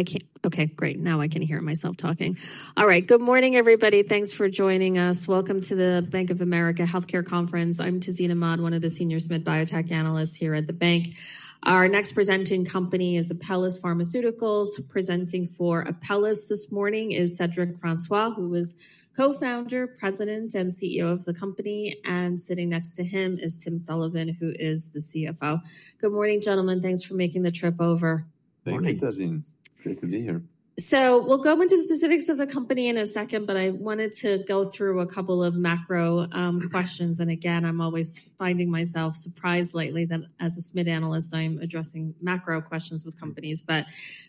Okay, okay, great. Now I can hear myself talking. All right, good morning, everybody. Thanks for joining us. Welcome to the Bank of America Healthcare Conference. I'm Tazeen Amad, one of the Senior Biotech Analysts here at the bank. Our next presenting company is Apellis Pharmaceuticals. Presenting for Apellis this morning is Cedric Francois, who is Co-Founder, President, and CEO of the company. Sitting next to him is Tim Sullivan, who is the CFO. Good morning, gentlemen. Thanks for making the trip over. Thank you, Tazeen. Great to be here. We'll go into the specifics of the company in a second, but I wanted to go through a couple of macro questions. Again, I'm always finding myself surprised lately that as a SMID Analyst, I'm addressing macro questions with companies.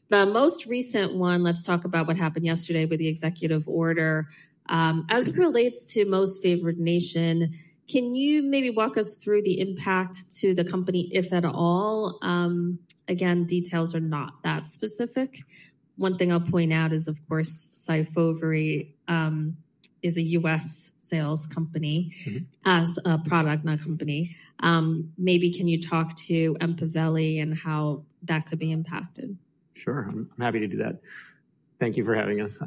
The most recent one, let's talk about what happened yesterday with the executive order. As it relates to Most Favored Nation, can you maybe walk us through the impact to the company, if at all? Again, details are not that specific. One thing I'll point out is, of course, SYFOVRE is a U.S. sales product, not a company. Maybe can you talk to EMPAVELI and how that could be impacted? Sure, I'm happy to do that. Thank you for having us.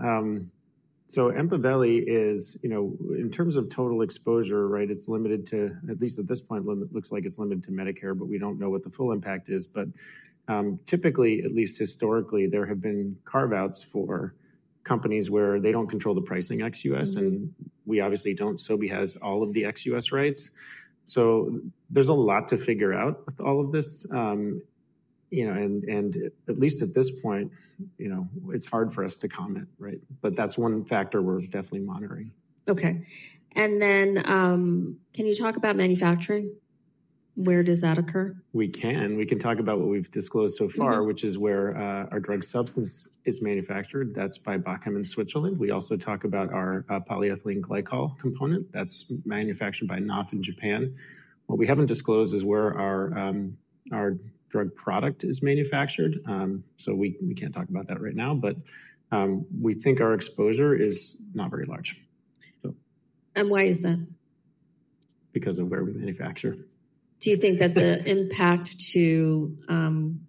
EMPAVELI is, you know, in terms of total exposure, right, it's limited to, at least at this point, it looks like it's limited to Medicare, but we don't know what the full impact is. Typically, at least historically, there have been carve-outs for companies where they don't control the pricing ex-U.S. and we obviously don't. Sobi has all of the ex-U.S. rights. There's a lot to figure out with all of this. You know, and at least at this point, you know, it's hard for us to comment, right? That's one factor we're definitely monitoring. Okay. Can you talk about manufacturing? Where does that occur? We can. We can talk about what we've disclosed so far, which is where our drug substance is manufactured. That's by Bockham in Switzerland. We also talk about our polyethylene glycol component. That's manufactured by NOF in Japan. What we haven't disclosed is where our drug product is manufactured. We can't talk about that right now, but we think our exposure is not very large. Why is that? Because of where we manufacture. Do you think that the impact to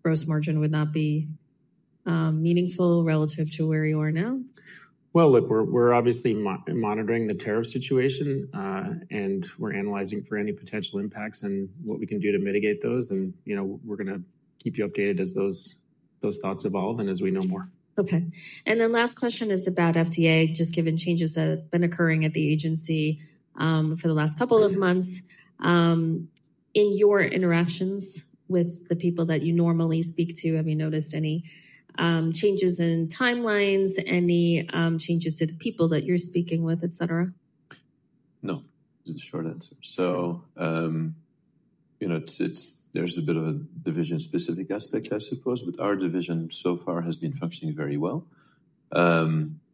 gross margin would not be meaningful relative to where you are now? Look, we're obviously monitoring the tariff situation, and we're analyzing for any potential impacts and what we can do to mitigate those. You know, we're going to keep you updated as those thoughts evolve and as we know more. Okay. Last question is about FDA, just given changes that have been occurring at the agency for the last couple of months. In your interactions with the people that you normally speak to, have you noticed any changes in timelines, any changes to the people that you're speaking with, et cetera? No, this is a short answer. So, you know, there's a bit of a division-specific aspect, I suppose, but our division so far has been functioning very well.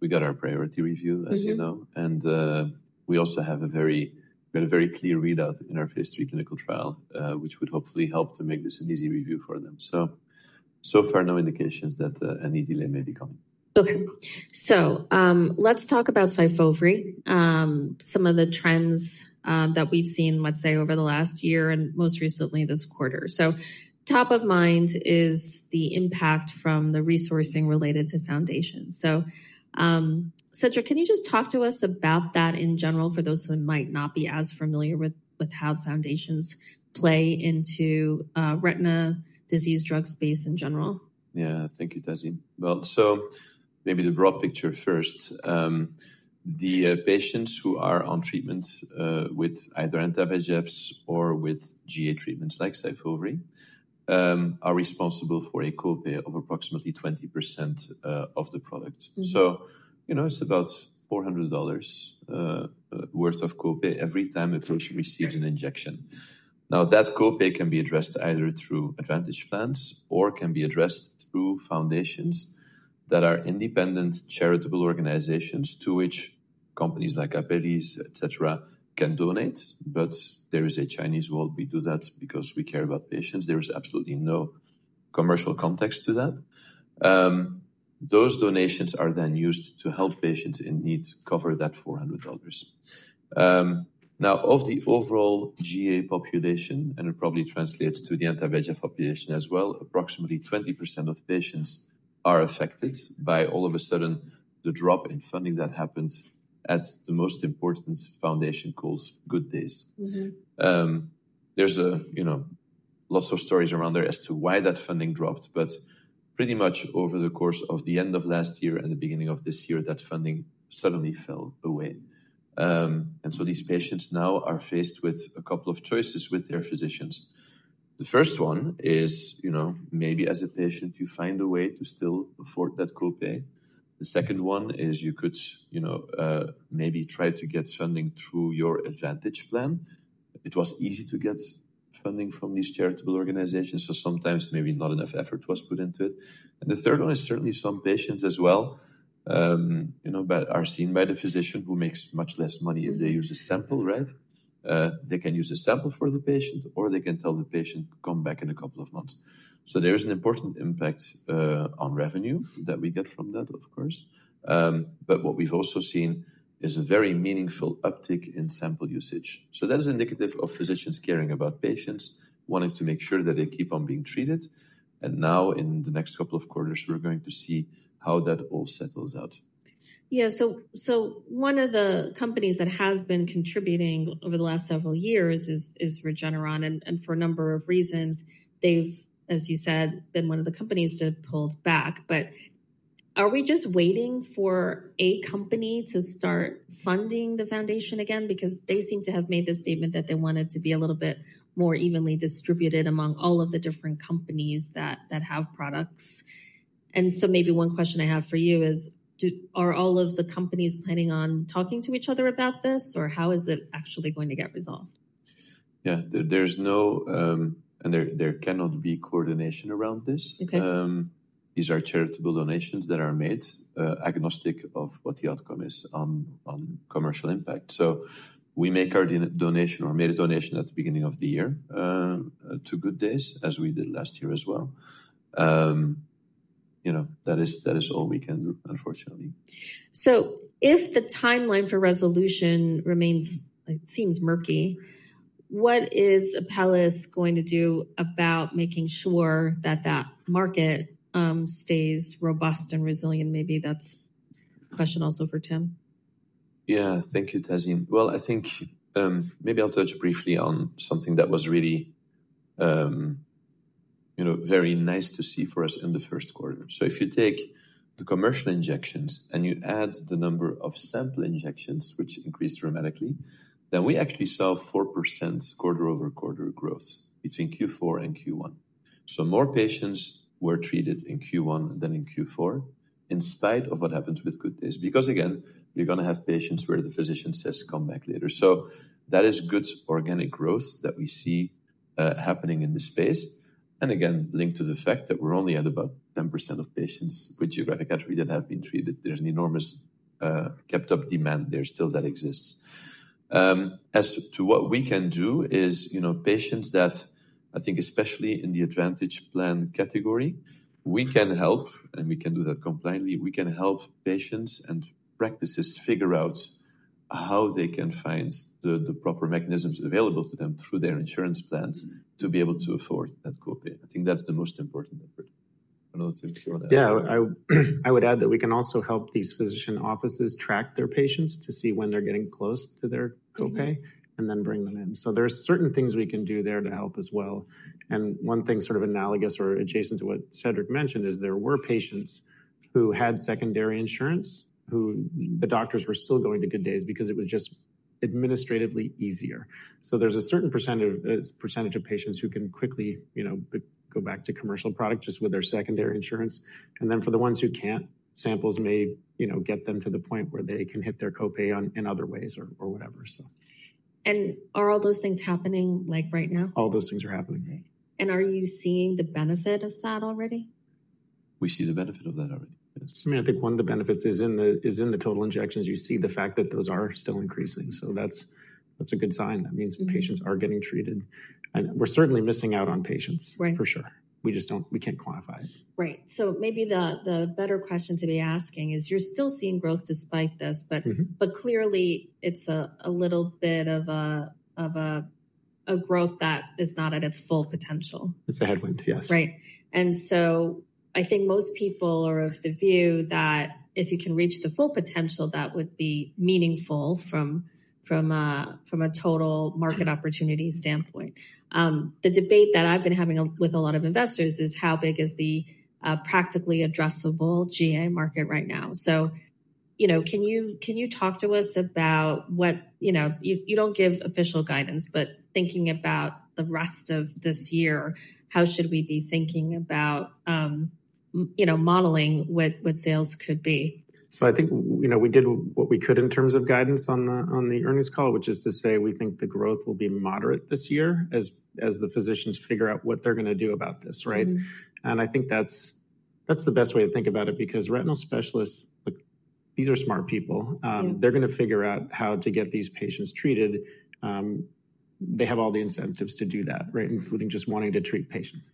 We got our priority review, as you know, and we also have a very clear readout in our phase III clinical trial, which would hopefully help to make this an easy review for them. So far, no indications that any delay may be coming. Okay. Let's talk about SYFOVRE, some of the trends that we've seen, let's say, over the last year and most recently this quarter. Top of mind is the impact from the resourcing related to foundations. Cedric, can you just talk to us about that in general for those who might not be as familiar with how foundations play into retina disease drug space in general? Yeah, thank you, Tazeen. Maybe the broad picture first. The patients who are on treatment with either anti-VEGFs or with GA treatments like SYFOVRE are responsible for a copay of approximately 20% of the product. You know, it's about $400 worth of copay every time a patient receives an injection. Now, that copay can be addressed either through Advantage Plans or can be addressed through foundations that are independent charitable organizations to which companies like Apellis, et cetera, can donate. There is a Chinese wall. We do that because we care about patients. There is absolutely no commercial context to that. Those donations are then used to help patients in need cover that $400. Now, of the overall GA population, and it probably translates to the anti-VEGF population as well, approximately 20% of patients are affected by all of a sudden the drop in funding that happens at the most important foundation called Good Days. There's a, you know, lots of stories around there as to why that funding dropped, but pretty much over the course of the end of last year and the beginning of this year, that funding suddenly fell away. These patients now are faced with a couple of choices with their physicians. The first one is, you know, maybe as a patient, you find a way to still afford that copay. The second one is you could, you know, maybe try to get funding through your Advantage Plan. It was easy to get funding from these charitable organizations, so sometimes maybe not enough effort was put into it. The third one is certainly some patients as well, you know, are seen by the physician who makes much less money if they use a sample, right? They can use a sample for the patient or they can tell the patient to come back in a couple of months. There is an important impact on revenue that we get from that, of course. What we've also seen is a very meaningful uptick in sample usage. That is indicative of physicians caring about patients, wanting to make sure that they keep on being treated. In the next couple of quarters, we're going to see how that all settles out. Yeah. One of the companies that has been contributing over the last several years is Regeneron. For a number of reasons, they've, as you said, been one of the companies to have pulled back. Are we just waiting for a company to start funding the foundation again? They seem to have made the statement that they want it to be a little bit more evenly distributed among all of the different companies that have products. Maybe one question I have for you is, are all of the companies planning on talking to each other about this or how is it actually going to get resolved? Yeah, there's no, and there cannot be coordination around this. These are charitable donations that are made agnostic of what the outcome is on commercial impact. We make our donation or made a donation at the beginning of the year to Good Days, as we did last year as well. You know, that is all we can do, unfortunately. If the timeline for resolution remains, it seems murky. What is Apellis going to do about making sure that that market stays robust and resilient? Maybe that's a question also for Tim. Yeah, thank you, Tazeen. I think maybe I'll touch briefly on something that was really, you know, very nice to see for us in the first quarter. If you take the commercial injections and you add the number of sample injections, which increased dramatically, then we actually saw 4% quarter-over-quarter growth between Q4 and Q1. More patients were treated in Q1 than in Q4, in spite of what happened with Good Days. Because again, you're going to have patients where the physician says, "Come back later." That is good organic growth that we see happening in this space. Again, linked to the fact that we're only at about 10% of patients with geographic atrophy that have been treated, there's an enormous kept-up demand there still that exists. As to what we can do is, you know, patients that I think, especially in the Advantage Plan category, we can help, and we can do that compliantly. We can help patients and practices figure out how they can find the proper mechanisms available to them through their insurance plans to be able to afford that copay. I think that's the most important effort. I don't know if Tim can go on that. Yeah, I would add that we can also help these physician offices track their patients to see when they're getting close to their copay and then bring them in. There are certain things we can do there to help as well. One thing sort of analogous or adjacent to what Cedric mentioned is there were patients who had secondary insurance, who the doctors were still going to Good Days because it was just administratively easier. There's a certain percentage of patients who can quickly, you know, go back to commercial product just with their secondary insurance. For the ones who can't, samples may, you know, get them to the point where they can hit their copay in other ways or whatever. Are all those things happening like right now? All those things are happening. Are you seeing the benefit of that already? We see the benefit of that already. I mean, I think one of the benefits is in the total injections, you see the fact that those are still increasing. That is a good sign. That means patients are getting treated. We are certainly missing out on patients, for sure. We just do not, we cannot quantify it. Right. So maybe the better question to be asking is you're still seeing growth despite this, but clearly it's a little bit of a growth that is not at its full potential. It's a headwind, yes. Right. I think most people are of the view that if you can reach the full potential, that would be meaningful from a total market opportunity standpoint. The debate that I've been having with a lot of investors is how big is the practically addressable GA market right now? You know, can you talk to us about what, you know, you don't give official guidance, but thinking about the rest of this year, how should we be thinking about, you know, modeling what sales could be? I think, you know, we did what we could in terms of guidance on the earnings call, which is to say we think the growth will be moderate this year as the physicians figure out what they're going to do about this, right? I think that's the best way to think about it because retinal specialists, these are smart people. They're going to figure out how to get these patients treated. They have all the incentives to do that, right? Including just wanting to treat patients.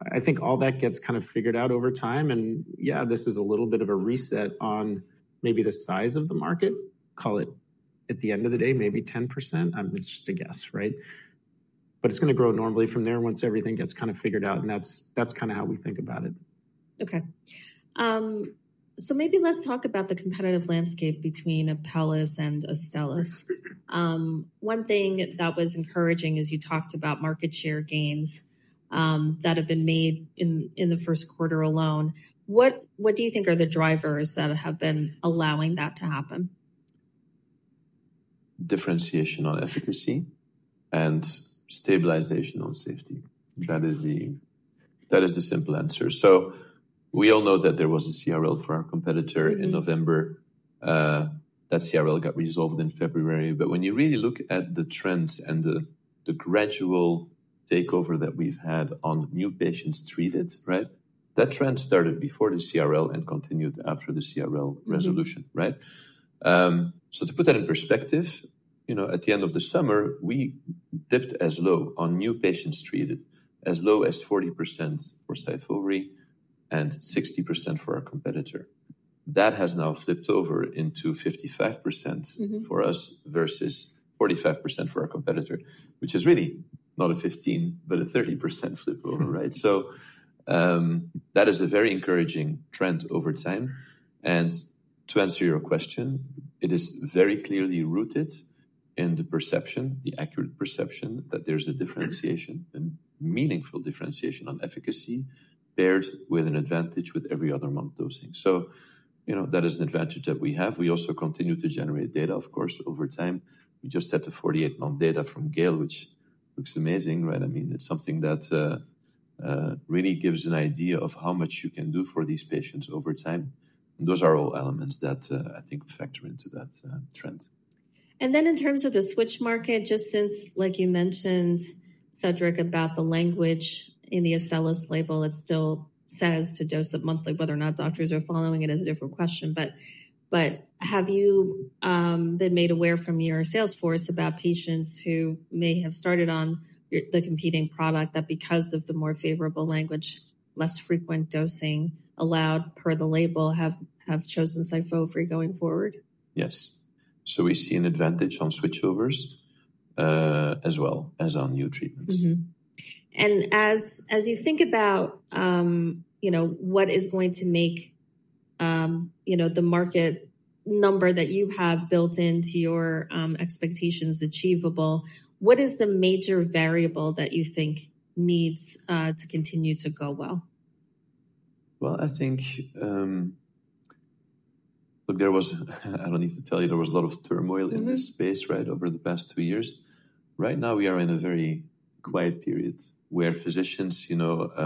I think all that gets kind of figured out over time. Yeah, this is a little bit of a reset on maybe the size of the market. Call it at the end of the day, maybe 10%. It's just a guess, right? It's going to grow normally from there once everything gets kind of figured out. That is kind of how we think about it. Okay. Maybe let's talk about the competitive landscape between Apellis and Astellas. One thing that was encouraging is you talked about market share gains that have been made in the first quarter alone. What do you think are the drivers that have been allowing that to happen? Differentiation on efficacy and stabilization on safety. That is the simple answer. We all know that there was a CRL for our competitor in November. That CRL got resolved in February. When you really look at the trends and the gradual takeover that we've had on new patients treated, right? That trend started before the CRL and continued after the CRL resolution, right? To put that in perspective, you know, at the end of the summer, we dipped as low on new patients treated, as low as 40% for SYFOVRE and 60% for our competitor. That has now flipped over into 55% for us versus 45% for our competitor, which is really not a 15, but a 30% flipover, right? That is a very encouraging trend over time. To answer your question, it is very clearly rooted in the perception, the accurate perception that there's a differentiation, a meaningful differentiation on efficacy paired with an advantage with every other month dosing. You know, that is an advantage that we have. We also continue to generate data, of course, over time. We just had the 48-month data from GALE, which looks amazing, right? I mean, it's something that really gives an idea of how much you can do for these patients over time. Those are all elements that I think factor into that trend. In terms of the switch market, just since, like you mentioned, Cedric, about the language in the Astellas label, it still says to dose it monthly. Whether or not doctors are following it is a different question. Have you been made aware from your sales force about patients who may have started on the competing product that because of the more favorable language, less frequent dosing allowed per the label, have chosen SYFOVRE going forward? Yes. We see an advantage on switchovers as well as on new treatments. As you think about, you know, what is going to make, you know, the market number that you have built into your expectations achievable, what is the major variable that you think needs to continue to go well? I think there was, I don't need to tell you, there was a lot of turmoil in this space, right, over the past two years. Right now, we are in a very quiet period where physicians, you know,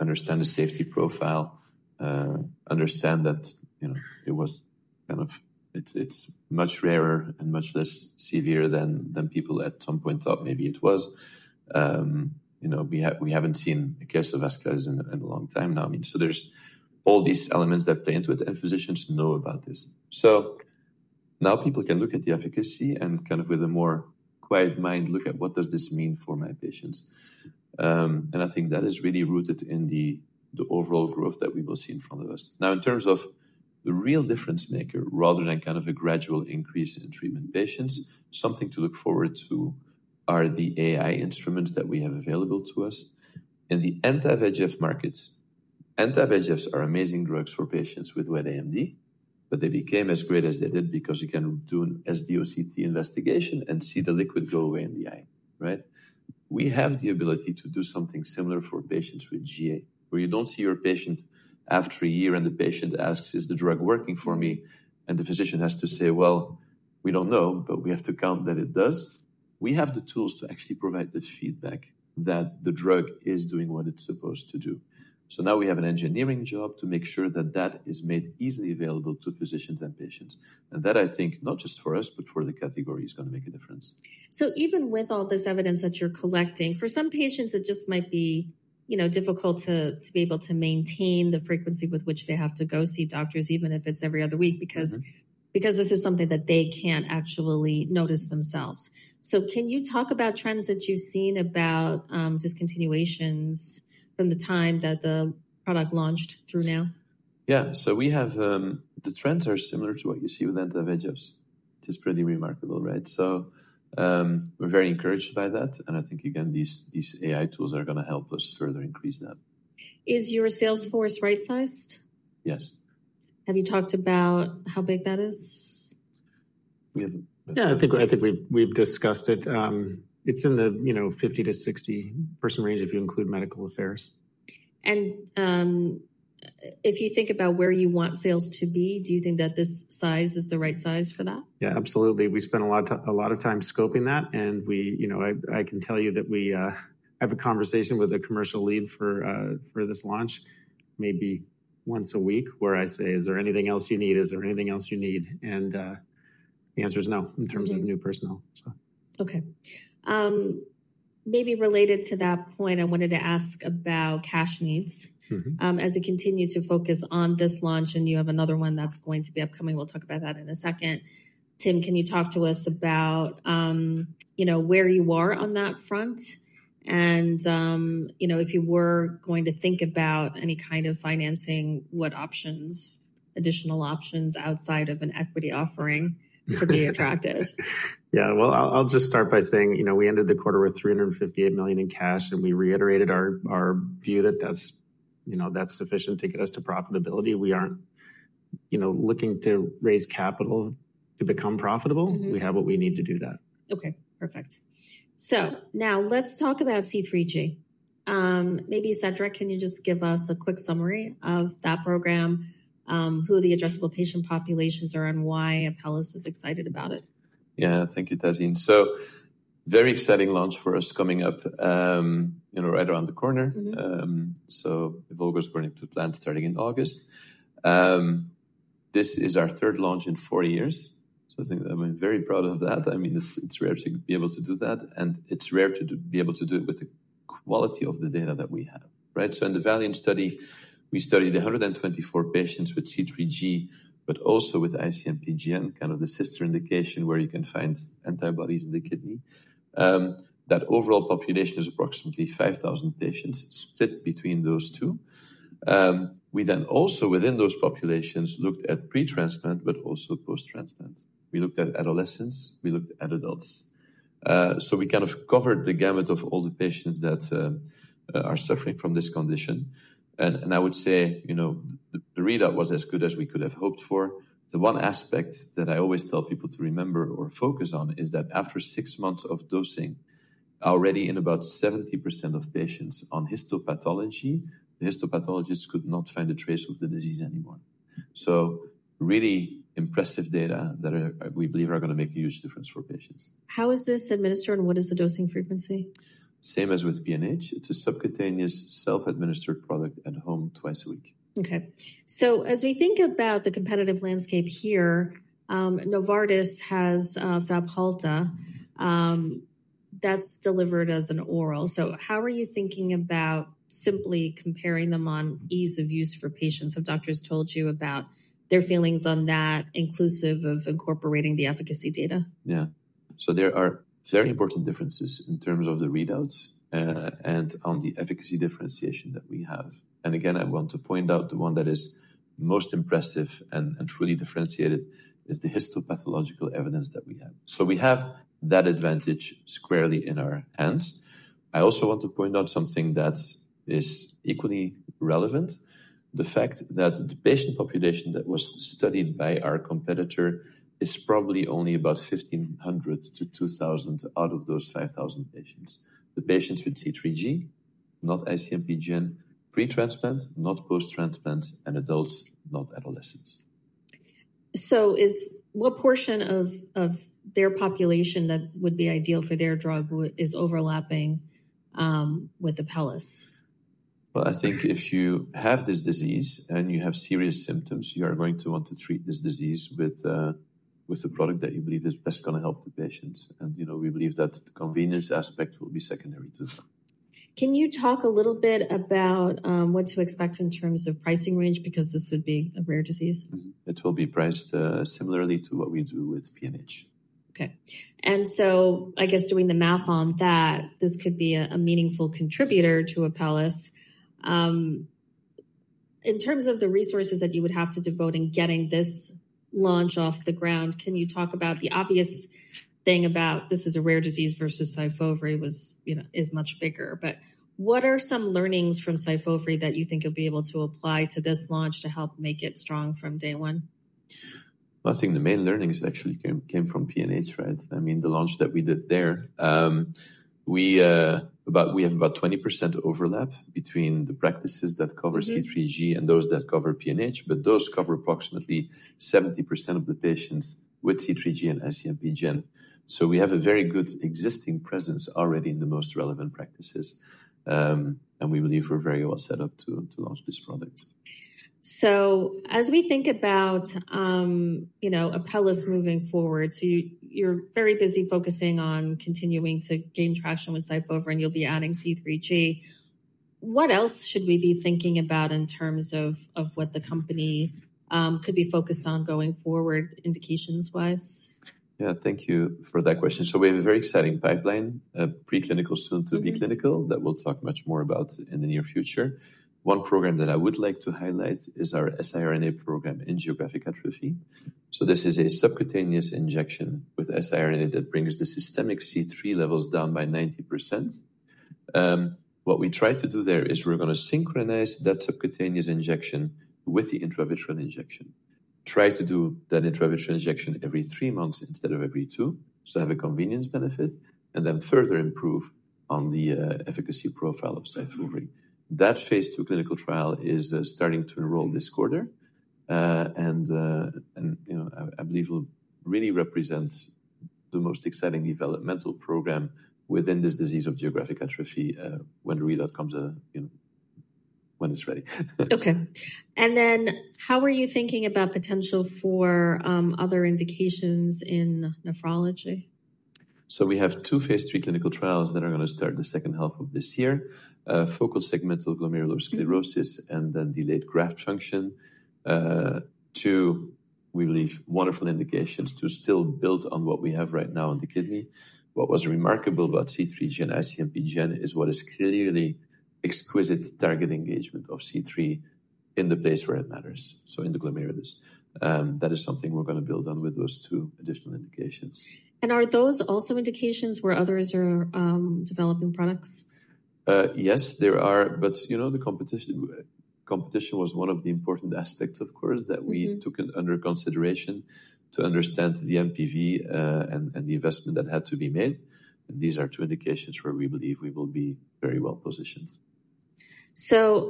understand the safety profile, understand that, you know, it was kind of, it's much rarer and much less severe than people at some point thought maybe it was. You know, we haven't seen a case of vasculitis in a long time now. I mean, so there's all these elements that play into it and physicians know about this. Now people can look at the efficacy and kind of with a more quiet mind look at what does this mean for my patients. I think that is really rooted in the overall growth that we will see in front of us. Now, in terms of the real difference maker, rather than kind of a gradual increase in treatment patients, something to look forward to are the AI instruments that we have available to us. In the anti-VEGF markets, anti-VEGFs are amazing drugs for patients with wet AMD, but they became as great as they did because you can do an SDOCT investigation and see the liquid go away in the eye, right? We have the ability to do something similar for patients with GA, where you do not see your patient after a year and the patient asks, "Is the drug working for me?" The physician has to say, "Well, we do not know, but we have to count that it does." We have the tools to actually provide the feedback that the drug is doing what it is supposed to do. Now we have an engineering job to make sure that that is made easily available to physicians and patients. That, I think, not just for us, but for the category is going to make a difference. Even with all this evidence that you're collecting, for some patients, it just might be, you know, difficult to be able to maintain the frequency with which they have to go see doctors, even if it's every other week, because this is something that they can't actually notice themselves. Can you talk about trends that you've seen about discontinuations from the time that the product launched through now? Yeah. We have, the trends are similar to what you see with anti-VEGFs. It's pretty remarkable, right? We're very encouraged by that. I think, again, these AI tools are going to help us further increase that. Is your sales force right-sized? Yes. Have you talked about how big that is? Yeah, I think we've discussed it. It's in the, you know, 50-60 person range if you include medical affairs. If you think about where you want sales to be, do you think that this size is the right size for that? Yeah, absolutely. We spend a lot of time scoping that. We, you know, I can tell you that we have a conversation with a commercial lead for this launch maybe once a week where I say, "Is there anything else you need? Is there anything else you need?" The answer is no in terms of new personnel. Okay. Maybe related to that point, I wanted to ask about cash needs. As you continue to focus on this launch and you have another one that's going to be upcoming, we'll talk about that in a second. Tim, can you talk to us about, you know, where you are on that front? And, you know, if you were going to think about any kind of financing, what options, additional options outside of an equity offering could be attractive? Yeah, I'll just start by saying, you know, we ended the quarter with $358 million in cash and we reiterated our view that that's, you know, that's sufficient to get us to profitability. We aren't, you know, looking to raise capital to become profitable. We have what we need to do that. Okay, perfect. Now let's talk about C3G. Maybe Cedric, can you just give us a quick summary of that program, who the addressable patient populations are, and why Apellis is excited about it? Yeah, thank you, Tazeen. Very exciting launch for us coming up, you know, right around the corner. The [Evolva] is going into plant starting in August. This is our third launch in four years. I think I'm very proud of that. I mean, it's rare to be able to do that. It's rare to be able to do it with the quality of the data that we have, right? In the Valiant study, we studied 124 patients with C3G, but also with IC-MPGN, kind of the sister indication where you can find antibodies in the kidney. That overall population is approximately 5,000 patients split between those two. We then also within those populations looked at pretransplant, but also post-transplant. We looked at adolescents. We looked at adults. We kind of covered the gamut of all the patients that are suffering from this condition. I would say, you know, the readout was as good as we could have hoped for. The one aspect that I always tell people to remember or focus on is that after six months of dosing, already in about 70% of patients on histopathology, the histopathologists could not find a trace of the disease anymore. Really impressive data that we believe are going to make a huge difference for patients. How is this administered and what is the dosing frequency? Same as with PNH. It's a subcutaneous self-administered product at home twice a week. Okay. As we think about the competitive landscape here, Novartis has FABHALTA that's delivered as an oral. How are you thinking about simply comparing them on ease of use for patients? Have doctors told you about their feelings on that, inclusive of incorporating the efficacy data? Yeah. There are very important differences in terms of the readouts and on the efficacy differentiation that we have. I want to point out the one that is most impressive and truly differentiated is the histopathological evidence that we have. We have that advantage squarely in our hands. I also want to point out something that is equally relevant, the fact that the patient population that was studied by our competitor is probably only about 1,500-2,000 out of those 5,000 patients. The patients with C3G, not IC-MPGN, pretransplant, not post-transplant, and adults, not adolescents. Is what portion of their population that would be ideal for their drug overlapping with Apellis? I think if you have this disease and you have serious symptoms, you are going to want to treat this disease with a product that you believe is best going to help the patients. You know, we believe that the convenience aspect will be secondary to that. Can you talk a little bit about what to expect in terms of pricing range? Because this would be a rare disease. It will be priced similarly to what we do with PNH. Okay. I guess doing the math on that, this could be a meaningful contributor to Apellis. In terms of the resources that you would have to devote in getting this launch off the ground, can you talk about the obvious thing about this is a rare disease versus SYFOVRE was, you know, is much bigger. What are some learnings from SYFOVRE that you think you'll be able to apply to this launch to help make it strong from day one? I think the main learnings actually came from PNH, right? I mean, the launch that we did there, we have about 20% overlap between the practices that cover C3G and those that cover PNH, but those cover approximately 70% of the patients with C3G and IC-MPGN. We have a very good existing presence already in the most relevant practices. We believe we're very well set up to launch this product. As we think about, you know, Apellis moving forward, you're very busy focusing on continuing to gain traction with SYFOVRE and you'll be adding C3G. What else should we be thinking about in terms of what the company could be focused on going forward indications-wise? Yeah, thank you for that question. We have a very exciting pipeline, preclinical soon to be clinical that we'll talk much more about in the near future. One program that I would like to highlight is our siRNA program in geographic atrophy. This is a subcutaneous injection with siRNA that brings the systemic C3 levels down by 90%. What we try to do there is we're going to synchronize that subcutaneous injection with the intravitreal injection. Try to do that intravitreal injection every three months instead of every two. Have a convenience benefit and then further improve on the efficacy profile of SYFOVRE. That phase II clinical trial is starting to enroll this quarter. You know, I believe it will really represent the most exciting developmental program within this disease of geographic atrophy when the readout comes, you know, when it's ready. Okay. How are you thinking about potential for other indications in nephrology? We have two phase III clinical trials that are going to start the second half of this year, focal segmental glomerular sclerosis and then delayed graft function. Two, we believe, wonderful indications to still build on what we have right now in the kidney. What was remarkable about C3G and IC-MPGN is what is clearly exquisite target engagement of C3 in the place where it matters. In the glomerulus. That is something we're going to build on with those two additional indications. Are those also indications where others are developing products? Yes, there are. You know, the competition was one of the important aspects, of course, that we took under consideration to understand the MPV and the investment that had to be made. These are two indications where we believe we will be very well positioned.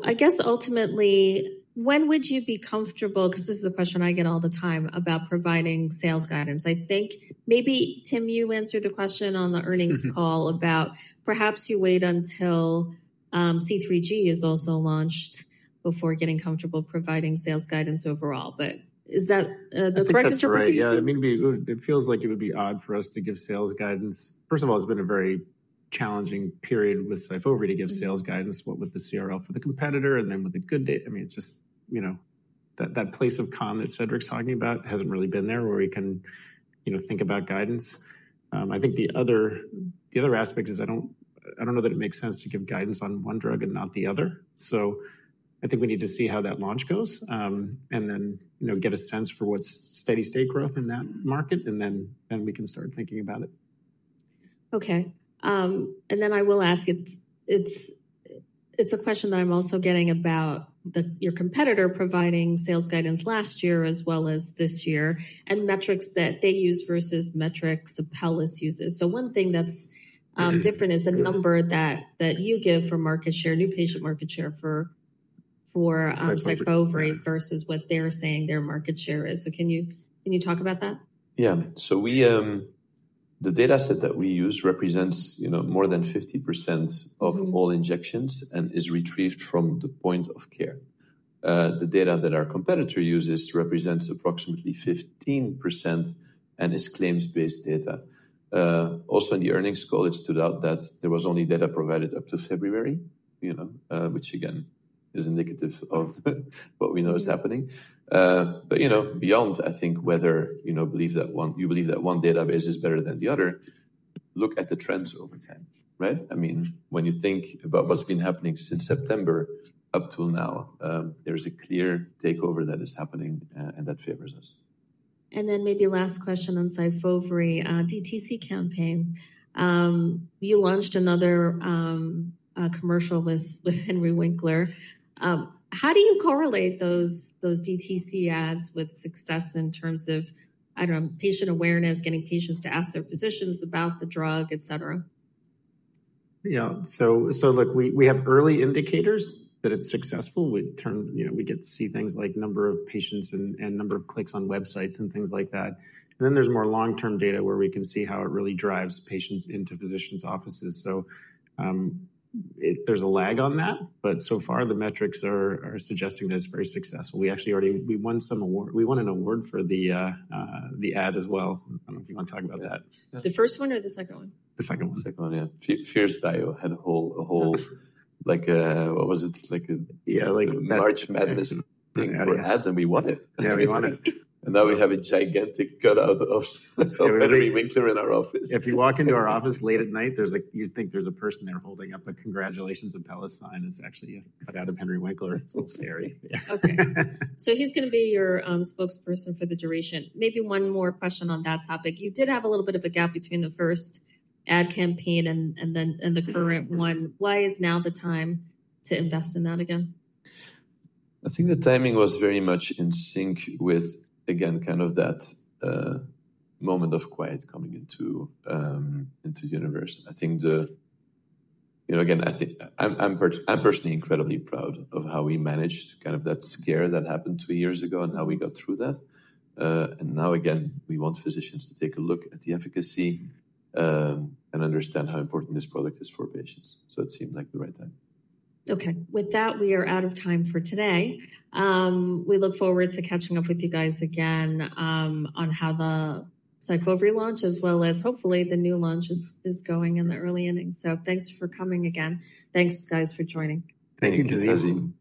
I guess ultimately, when would you be comfortable, because this is a question I get all the time about providing sales guidance? I think maybe, Tim, you answered the question on the earnings call about perhaps you wait until C3G is also launched before getting comfortable providing sales guidance overall. Is that the correct interpretation? That's right. Yeah, I mean, it feels like it would be odd for us to give sales guidance. First of all, it's been a very challenging period with SYFOVRE to give sales guidance, what with the CRL for the competitor and then with a good date. I mean, it's just, you know, that place of con that Cedric's talking about hasn't really been there where we can, you know, think about guidance. I think the other aspect is I don't know that it makes sense to give guidance on one drug and not the other. I think we need to see how that launch goes and then, you know, get a sense for what's steady state growth in that market and then we can start thinking about it. Okay. I will ask, it's a question that I'm also getting about your competitor providing sales guidance last year as well as this year and metrics that they use versus metrics Apellis uses. One thing that's different is the number that you give for market share, new patient market share for SYFOVRE versus what they're saying their market share is. Can you talk about that? Yeah. So the data set that we use represents, you know, more than 50% of all injections and is retrieved from the point of care. The data that our competitor uses represents approximately 15% and is claims-based data. Also, in the earnings call, it stood out that there was only data provided up to February, you know, which again is indicative of what we know is happening. You know, beyond, I think whether, you know, you believe that one database is better than the other, look at the trends over time, right? I mean, when you think about what's been happening since September up till now, there's a clear takeover that is happening and that favors us. Maybe last question on SYFOVRE, DTC campaign. You launched another commercial with Henry Winkler. How do you correlate those DTC ads with success in terms of, I do not know, patient awareness, getting patients to ask their physicians about the drug, etc.? Yeah. Look, we have early indicators that it's successful. We get to see things like number of patients and number of clicks on websites and things like that. Then there's more long-term data where we can see how it really drives patients into physicians' offices. There's a lag on that, but so far the metrics are suggesting that it's very successful. We actually already, we won some awards. We won an award for the ad as well. I don't know if you want to talk about that. The first one or the second one? The second one. The second one, yeah. Fierce bio had a whole, like a, what was it? Yeah, like a large madness thing for ads and we won it. Yeah, we won it. We have a gigantic cut-out of Henry Winkler in our office. If you walk into our office late at night, there's like, you'd think there's a person there holding up a congratulations Apellis sign. It's actually a cut-out of Henry Winkler. It's a little scary. Okay. So he's going to be your spokesperson for the duration. Maybe one more question on that topic. You did have a little bit of a gap between the first ad campaign and the current one. Why is now the time to invest in that again? I think the timing was very much in sync with, again, kind of that moment of quiet coming into the universe. I think, you know, again, I think I'm personally incredibly proud of how we managed kind of that scare that happened two years ago and how we got through that. Now, again, we want physicians to take a look at the efficacy and understand how important this product is for patients. It seemed like the right time. Okay. With that, we are out of time for today. We look forward to catching up with you guys again on how the SYFOVRE launch as well as hopefully the new launch is going in the early inning. Thanks for coming again. Thanks, guys, for joining. Thank you Tazeen.